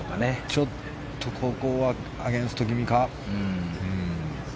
ちょっとここはアゲンスト気味か。